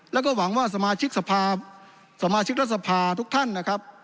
และก็หวังว่าสมาชิกสภาพสมาชิกรัฐสภาพทุกท่านนะครับ